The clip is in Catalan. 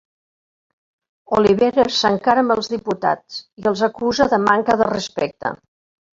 Oliveres s'encara amb els diputats i els acusa de manca de respecte